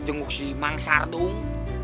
jenguk si mang sardung